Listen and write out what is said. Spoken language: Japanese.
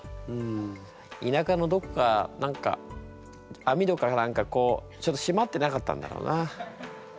田舎のどこか何か網戸か何かこうちょっとしまってなかったんだろうな。